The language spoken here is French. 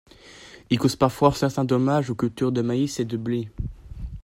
Il cause parfois certains dommages aux cultures de maïs et de blé.